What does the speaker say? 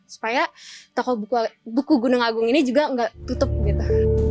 supaya toko buku gunung agung ini juga nggak tutup gitu